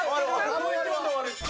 この１問で終わる。